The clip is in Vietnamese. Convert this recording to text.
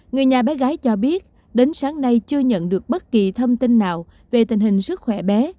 người nhà bé gái cho biết đến sáng nay chưa nhận được bất kỳ thông tin nào về tình hình sức khỏe bé